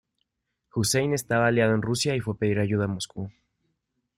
Hussein estaba aliado en Rusia y fue a pedir ayuda a Moscú.